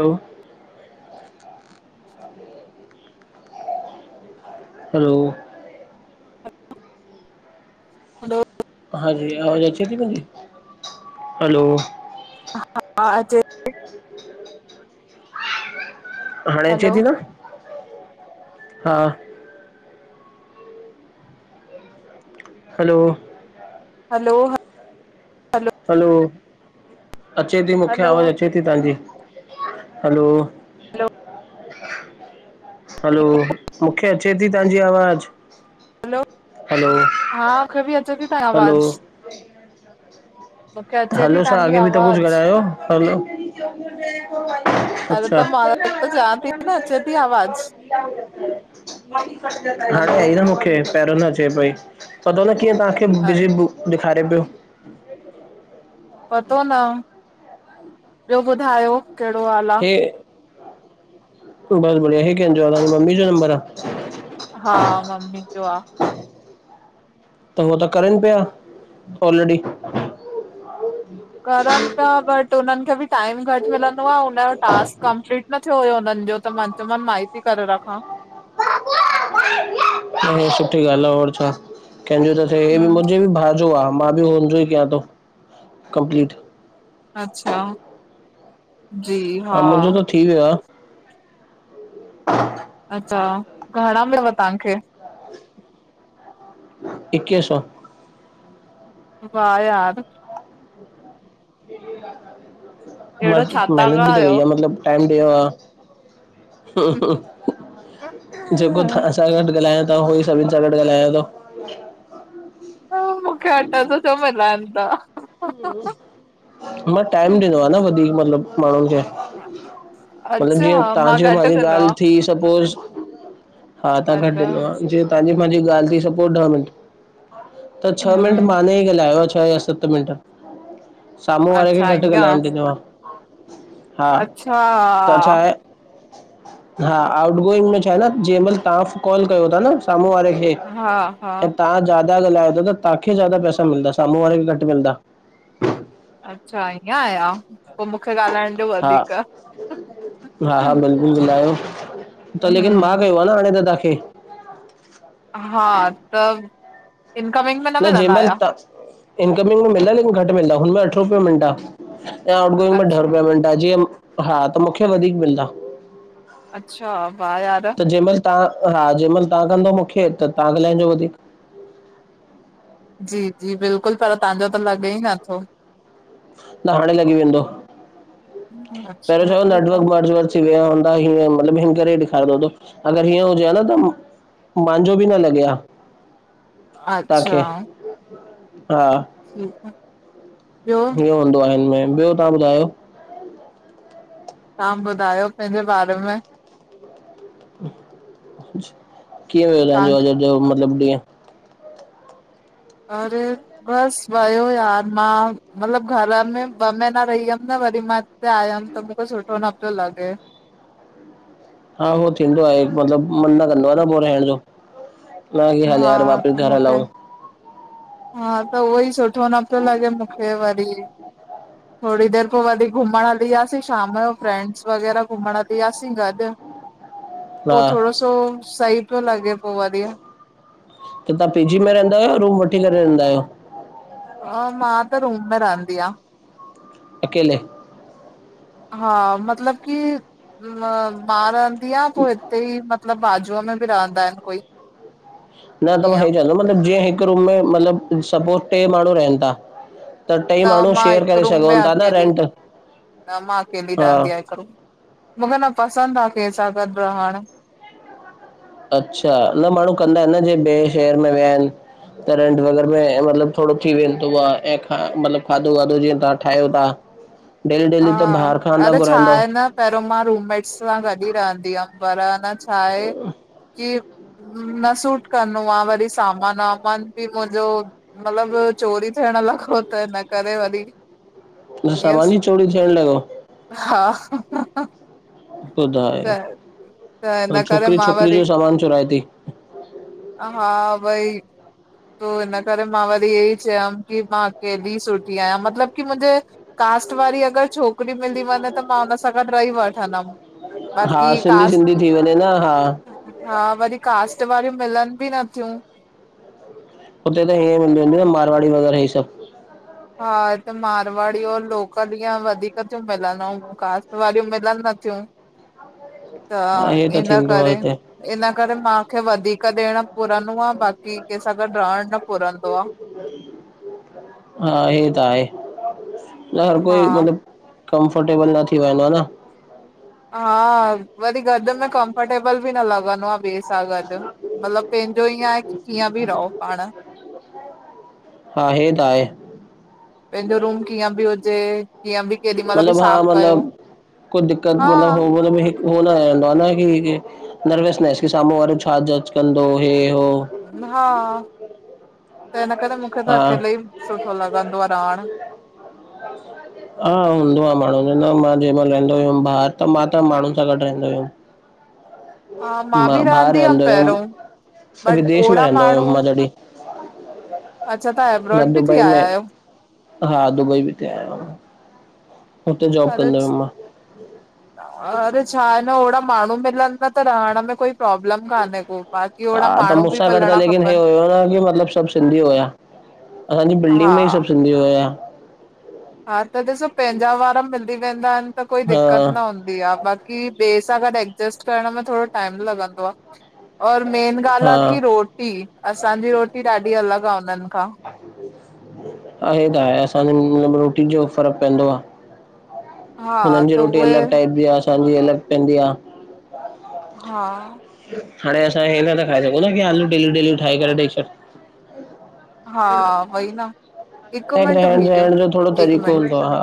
हलो। [inaudible] हलो! Hello. Hello! हांजी आवाज अचे थी न मुंजी? हलो! हा हा हा अचेत हाणे अचे हलो थी न? हा। हलो हलो, हा? हलो, अचे ती मुखे हलो आवाज़ अच अचेती तांजी। हलो हलो हलो, मुखे अचे ती तांजी आवाज़। हलो! हलो हा मुखे बि अचे ती तां हलो आवाज़। मूंखे अचे थी हलो सा तव्हांजी आॻे बि त कुझु आवाज़ ॻाल्हायो, हलो अरे अच्छा त मां त चवां थी न अचे थी आवाज़ हाणे हलो आई न मुखे पहिरियों न अचे पई पतो न कीअं तहांखे बिज़ी बु ॾेखारे पियो। पतो न, ॿियो ॿुधायो कहिड़ो हाल आ? ऐ, ऐ बस बढ़िया। हे कंहिंज आ मम्मी जो नंबर आ? हा मम्मी जो आ। त हूअ त करनि पिया ऑलरेडी। करनि पिया बट हुननि खे बि टाइम घटि मिलंदो आ, हुन जो टास्क कंप्लीट न थियो हुयो हुननि जो त मां चयो मान मां ई ती करे रखां। हीअ सुठी ॻाल्हि आ और छा, कंहिंजो त थिए, ही बि हम्म मुंहिंजे भाउ जो आ। मां बि हुन जो ई कयां थो कंप्लीट। अच्छा। जी। हा मुंहिंजो त थी वियो आ। अच्छा, घणा मिलयव तहांखे? इक्वीह सौ। वाह यार! अहिड़ो छा था मेहनत बि त ॻायो? कई आ मतिलब टाइम ॾियणु आ। जगो धा। तहां सां गॾु ॻाल्हायां थो, उहो ई सभिनि सां गॾु ॻाल्हायां थो। ह मूंखे ठ सौ त मिलन था। मां टाइम ॾिनो आ न वधीक मतिलबु माण्हुनि जे, मतलबु अच्छा जीअं मां तांजी घट मांजी कंदो ॻाल्हि आहियां थी सपोज़, हा तां घटि अच्छा ॾिनो आ, जीअं तांजी मांजी ॻाल्हि थी सपोज़ ॾह मिनट त छह मिंट हम्म मांन ई ॻाल्हायो आ छह या सत मिंट। साम्हूं वारे खे अच्छा घटि ईअं ॻाल्हाइण ॾिनो आ, हा अच्छा त छा आहे हा आउट गोइंग में छा आहे न जं महिल तव्हां कॉल कयो था न साम्हूं वारे खे हा हा ऐं तहां ज्यादा ॻाल्हायो ता त तहांखे ज्यादा पैसा मिलंदा, साम्हूं वारे खे घटि मिलंदा। अच्छा ईअं आ या? पो मूंखे ॻाल्हाइण ॾियो हा वधीक। हा हा बिल्कुलु ॻाल्हायो त लेकिन मां कयो आ न हाणे त तव्हांखे। हा तब न जंहिं महिल तां, इनकमिंग मिलन ई घटि मिलंदा हुनम अठ रुपयो मिन्ट आ। त आउट गोइंग में अछ ॾह रुपया मिन्ट आ जीअं, हा त मुखे वधीक मिलदा। अच्छा, वा यार। जंहिं महिल तां हा, जंहिं महिल तां कंदव मूंखे त तां ॻाल्हाइजो वधीक। जी जी बिल्कुलु, पर तहांजो त लॻे ई नथो। त हाणे लॻी वेंदो, पहिरियों अच्छा छा न ठीकु आहे नेटवर्क ॿेटवर्क विया हूंदा हीअं मतिलब हिन करे इन्कॉरेक्ट ॾेखारिंदो हूंदो, अगर हीअं हुजे आ न त मांजो बि न लॻे आ तांखे, हा। ठीक आ, ॿियो? ईअं हूंदो आहिन मैम, ॿियो तहां ॿुधायो? तहां ॿुधायो पंहिंजे बारे में? कीअं वियो तहांजो तव्हां अॼु जो मतिलबु ॾींहं? और बसि वयो यार, मां मतिलबु घर में ॿ महीना रही हुयमि न वरी मां हिते आयम त मुखे सुठो न प्यो लॻे। हा उहो थींदो आहे, मतिलबु मन न कंदो आ न पो रहण जो। न हली आ हा यार वापस त घर मूंखे हलऊं। हा त उहोई सुठो न पियो लॻे मुखे वरी। [inaudible] थोड़ी देर पो वरी घुमण हली वयासीं शाम जो फ्रैड्स वग़ैरह घुमण हली वयासीं गॾ। हा पो थोड़ो सो सही पियो लॻे पो वरी। त तां पी जी में रहंदा आयो? या रूम वठी करे रहंदा आयो। हा मां त रूम में रहंदी आं। अकेले। हा मतलब कि मां रहंदी आ पो हिते ई म मतिलब बाजूअ में बि रहंदा आहिन कोई। न न मां ईअं हे चवंदम जी हिक रूम में मतलब सपोज टे माण्हू रहन ता न मां हिक रूम में अकेली रेंट न मां अकेली हा रहंदी आयां हिक रूम न न पसंद आ केंसा गॾ रहण, अच्छा न माण्हू कंदा अन न जीअं ॿे शहर में विया आहिन। त रेंट वग़ैरह में मतलब थोड़ो थी वेंदो आ ऐं मतलब खाधो वाधो जीअं तव्हां ठाहियो ता। डेली डेली त बाहिर खां न घुराईंदव। पेरों मां रूममेट्स सां गॾ ई रहंदी हुअम पर अन छाए कि न सूट कंदो आ वरी सामान वामान बि मुंजो मतलब चोरी थियण लॻो त हिन करे वरी ईअं सामान ई चोरी थियण लॻव? हा त जाए त हिन करे छोकरी मां छोकरी वरी जो सामान चुराए ती हा भई तो हिन करे मां वरी चयम कि मां अकेली ई सुठी आयां मतलब की मुंजे कास्ट वारी अगर छोकरी मिलदी वञे त मां हुन सां गॾ रही वठंदम। हा बाकी सिंधी कास्ट सिंधी थी वञे न हा हा वरी कास्ट वारियूं मिलन बि नथियूं। हुते त हे हूंदो न मारवाड़ी वग़ैरह हे सभ। हा हिते मारवाड़ी और लोकल ईअं वधीक तियूं मिलन अऊं कास्ट वारियूं मिलन नथियूं। हा हे त इन थींदो आ करे हिते इन करे मांखे वधीक ॾियण पुरंदो आ बाकी केंसां गॾ रहण न पुरंदो आ। हा इयो त आहे न हर कोई हा मतलब कमफर्टेबल न थी वेंदो न। हा वरी गॾ में कमफर्टेबल बि न लॻंदो आ बेस सां गॾ मतलब पैंजो ईअं आए की कीअं बि रहो पाण। [inaudible] हा हे त आहे। पैंजो रूम कीअं बि हुजे। कीअं बि केॾी महिल बि मतलब हा साफ़ कयो मतलब कोई दिकक़त मतलब हो हा। हुनमें, उहो न [unintelligible] नर्वसनैस कि साम्हूं वारो छा जज कंदो हे हो। न न हा त हिन करे मूंखे त हा अकेलो ई सुठो लॻंदो आ रहण हा हूंदो आ माण्हूअ जो न मां जें मल रेंदो हुयुम ॿाहिर त मां त माण्हून सां गॾ रहंदो हुयुम। हा मां बि ॿाहिर रहंदी हुअमि रहंदो पहिरियों हुयुम बट विदेश में ओड़ा रहंदो माण्हू हुयुम मां जॾी। अच्छा तव्हां एब्रॉड मां बि थी दुबई में आया आहियो हा दुबई भी थी आयम हुते जॉब अरे कंदो हुयम मां। अरे छा आहे न ओड़ा माण्हू मिलन त रहण में कोई प्रॉब्लम कान्हे को बाक़ी हा ओड़ा त माण्हू बि मुुसां गॾ मिलणा हे खपनि हुयो न कि मतलब सभ सिंधी हुया। असांजी बिल्डिंग में ही हा। सब सिंधी हुया। हा त ॾिसो पंहिंजा वारा मिली वेंदा आहिन त कोई हा दिक्कत न हूंदी। बया ॿे सां गद एडजेस्ट करण में थोङो टाइम लॻंदो आ। और मेन ॻाल् हा। आ की रोटी असांजी रोटी ॾाढी अलग आहे उन्न खां। ईयो त आहे असांजे रोटी जो फ़र्क़ पवंदो आ। हा हुनन जी त रोटी उहे अलॻ टाइप जी आ असांजी अलॻ पवंदी आ। हा! हाणे असां हे नथा खाई सघूं ना की आलू डेलि डेलि ठाहे करे ॾई छॾ। हा वई न हिक ऐं मिंट रहण बीजो सहण जो थोरो हिक तरीक़ो मिंट। हूंदो हा!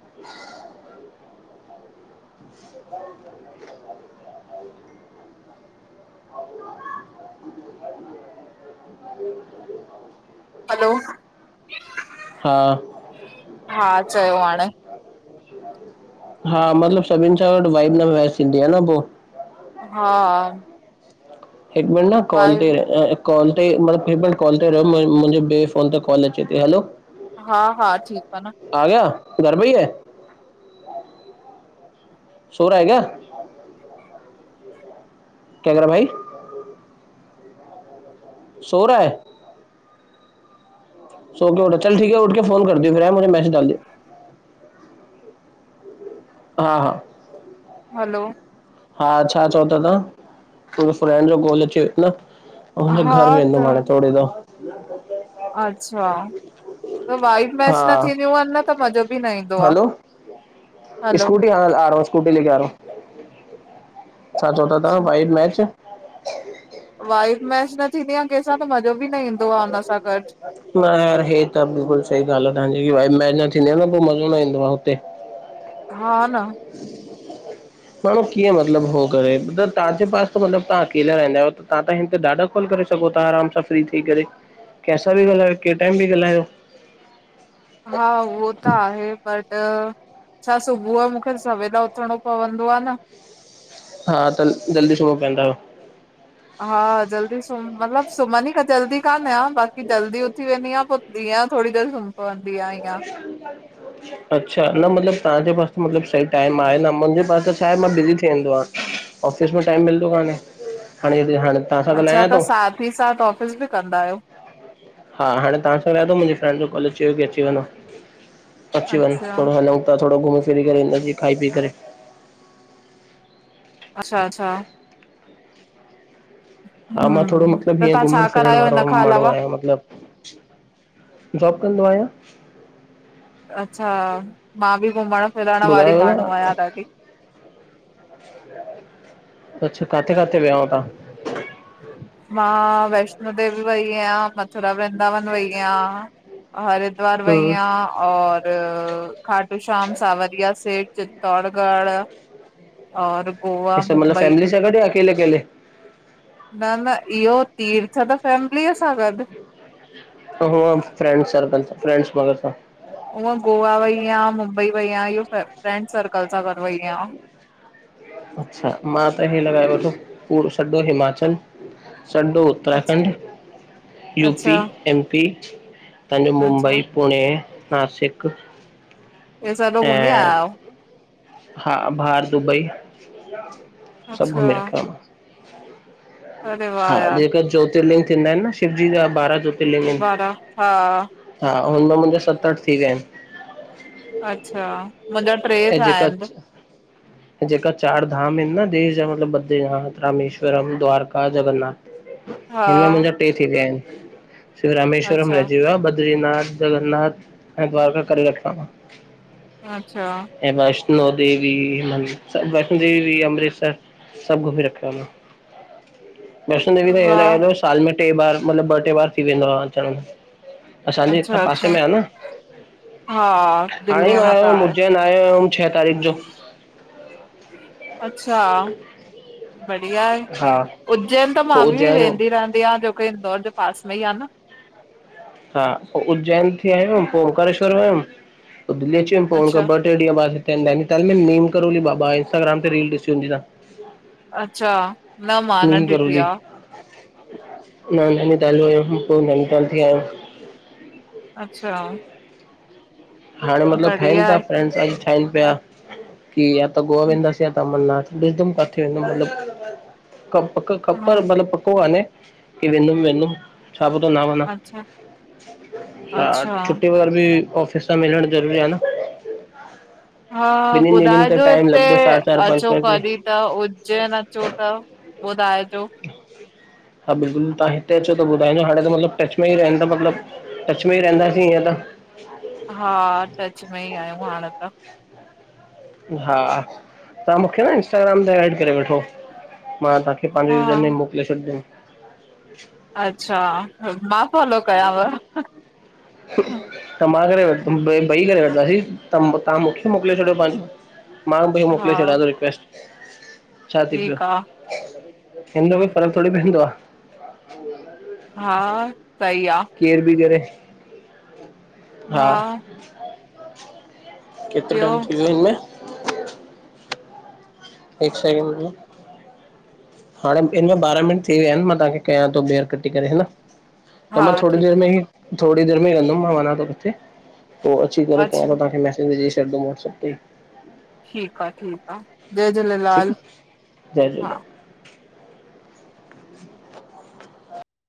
गरररररर [inaudible] [inaudible] हलो! हा! हा! चयो हाणे। [inaudible] हा! मतलब सभिन सां गॾु वाइब न वेस थिंधी आ न पो हा! हिक मिंट न कॉल बाए ते कॉल ते मतिलब हे मिंट कॉल ते रहयो मुंह मुंहिंजो ॿे फ़ोन ते कॉल अचे थो। हलो! हा-हा ठीक आ न। आ गया घर में ही है। सो रहा हे क्या? क्या कह रहा भाई। सो रहा है। सोके उठ चल ठीक है उठ के फोन कर दियो फिर मुझे मैसेज डाल दियो। हा! हलो! हा छा चओ था तव्हां मुंहिंजो फ्रेंड जो कॉल अची वियो न। हुनजे हा घर त वेंदम हाणे थोड़ी देर! अच्छा! त वाइब हा मैच न थीदियूं आहिन न त मज़ो बि न ईंदो आ। हलो स्कुटी हां आ रहा हूं। हां, स्कुटी ले के आ रहा हूं। छा चओ था तव्हां वाइब मैच वाइब मैच न थींदी आ कंहिं सां त मज़ो बि न ईंदो आ हुन सां गॾु। हे त बिल्कुल सही ॻाल् आ तव्हांजी वाइब में न थींदी आ न पो मज़ो न ईंदो आ हुते। हा न। [inaudible] माणहू कीअं मतिलब हो करे त तव्हांजे पास त मतिलब तव्हां अकेला रहंदा आहियो न। तव्हां त हिन ते ॾाढा कॉल करे सघो था आराम सां फ्री थी करे कंहिं सां बि ॻालायो कैं टाइम बि ॻालायो। हा उहो त आहे बट छा सुबुह जो मूंखे सवेल उथणो पवंदो आ न। हा त जल्दी सुबह‌ पवंदा आयो। हा जल्दी सुम मतलब सुमंदी त जल्दी कान आयां बाक़ी जल्दी उथी वेंदी आहियां पो दीया थोरी देर सुम्ही पवंदी आ। [inaudible] अच्छा हिन जो मतिलबु तां जे पासे मतिलबु सही टाइम आहे, न मुंहिंजे पास छा आहे न मां बिज़ी थी वेंदो आ। ऑफिस में टाइम मिलंदो काने, हाणे ज हाणे तव्हां सां अच्छा, ॻाल्हायां त थो साथ भी साथ ऑफ़िस बि कंदा आहियो। हा हाणे तां सां ॻाल्हा थो, मुहिंजी फ्रैंड जो कॉल अची चयो बि कॉल अची वेञो अची वञे, अच्छा थोड़ो हलूं था, थोड़ो घुमी फिरी करे, ईंन जी खाई पी करे। अछा- अछा हा मां थोड़ो हम्म मतिलबु त हीअं, तव्हां छा घुमणु कंदा फिरणु आहियो हिन वारो खां माण्हूं अलावा आहियां, मतिलबु जॉब कंदो आहियो? अच्छा, मां बि घुमणु फिरणु वारी ॿुधायो न माण्हूं आहियां ॾाढी अच्छ, काथे काथे विया हुयव तां मां वैष्णो देवी वईया, मथुरा, वृन्दावन वईया हरिद्वार हम्म वईया और र, खाटू श्याम, सांवरिया सेठ, चित्तौड़गढ़ और गोवा, इ सभ मतिलबु मुंबई फैमिली सा गॾ या अकेले- अकेले न न, इहो तीर्थ त फैमिलीअ सां गॾु हो फ्रैंड्स सर्कल, फ्रैंड्स ग्रुप सां उअं गोवा वई आहिया, मुंबई वई आहिया, इहो फ्रैंड सर्कल सां गॾ वई आहिया। अच्छा, मां त हिन वार तो पुरे सॼो हिमाचल सॼो अछ उत्तराखंड, यूपी, अच्छा एम पी, तांजो अच्छा मुंबई पुणे, नासिक वे सॼो घुमी आया ऐं आहियो। हा हा बाहरि दुंबई, सभु घुमी अच्छा रखियो मां अरे हा वाह यार जेका ज्योतिर्लिंग थींदा आहिनि, न शिवजी जा ॿारहां ज्योति बारहा हा हा हुन मुंजा सत अठि थी विया आहिनि। अच्छा मंदिर ऐं जेका च जेका चारि धाम हिनि न देश जा मतिलबु मथे हा रामेश्वरम, द्वारका, जगन्नाथ हा हिन में मुहिंजा टे थी विया आहिनि, श्री रामेश्वरम अच्छा रहिजी वियो आ बद्रीनाथ जगन्नाथ, ऐं द्वारका करे, रखियो मां अच्छा ऐं वैष्णो देवी म वैष्णो देवी बि अमृतसर सभु घुमी रखियो आ मां वैष्णो देवी त इहो वाह! लॻंदो आहे, साल में टे बार मतिलबु ॿ टे बार थी वेंदो आहे, अचण में असांजे हितां अच्छा, पासे अच्छा में आ न, हा हाणे दिल्लीअ मां त वियो हुअमि आहे, उज्जैन वियो हुअमि छह तारीख़ जो अच्छा बढ़िया आहे, हा उज्जैन त पोइ मां बि उज्जैन वेंदी रहंदी आ जोकी इंदौर जो पास में ई आ न हा उज्जैन थी, आयुमि पो ओंकारेश्वर वयुमि, पो दिल्ली जी ॾिसीम पो अच्छा, ॿ टे ॾींह बाद हिते नैनीताल में नीम करौली बाबा आहे इंस्टाग्राम ते रील ॾिसी हूंदी तां [inaudible] अच्छा न मां न नींव ॾिठी करौली आ, मां नैनीताल वियो, हुअम पोइ नैनीताल थी आयमि। अच्छा हाणे मतिलबु ठहिनि बढ़िया था आहे। फ्रेंड्स ठहिनि पिया, कि या त गोआ वेंदास या त अमरनाथ। ॾिसदमि काथे वेंदमि मतिलबु कब-पको-कप हा, मतिलबु पको कान्हे कि वेंदुमि-वेंदुमि। छा पतों न वञा, अच्छा, आ अच्छा छुट्टी वगैरह बि विक-ऑफ त मिलण ज़रूरी आहे न। हा, ॿिन्हिनि ॾींहंनि ते ॿुधाइजो टाइम हिते लॻंदो चारि चारि पंज अचो पंज ॾींहं कॾहिं? त उज्जैन अचो त ॿुधाएजो। हा बिल्कुलु, तव्हां हिते अचो त ॿुधाईजो हाणे त मतिलबु टच में ई रहंदमि मतिलबु टच में ई रहंदासीं इअं त। हा टच में ई आहियूं हाणे त। हा, तव्हां मूंखे इंस्टाग्राम ते ऐड करे वठो। मां तव्हांखे पंहिंजो रिज़्यूमि हा, मोकिले छॾिंदुमि। अच्छा, मां फॉलो कयांव। त मां करे रखदुमि, ॿई करे वठंदासीं त तव्हां मूंखे मोकिले छॾियो पंहिंजो। मां भाई मोकिले हा छॾां थो रिक्वेस्ट। छा थी पियो, ठीकु आ, हिनमें हम्म, फर्क़ थोड़ी पवंदो आहे। हा, सही आ। केरु बि करे। हा। केतिरो ॿियो टाइम थी वियो इअं हिकु साल [unintelligible] [inaudible] हाणे हिन में ॿारहां मिन्ट थी विया आहिनि, मां तव्हांखे कयां थो ॿियर कटे करेा त हा मां थोडी़ देर ठीकु में आ, ई, थोड़ी देर में ई रहंदुमि मां वञा थो किथे पो अची करे पाण अच्छा तव्हांखे मैसज विझी छॾिंदुमि वाट्सअप ते। ठीकु आहे-ठीकु आहे, जय ठीकु झूलेलाल, आहे जय झूलेलाल हा।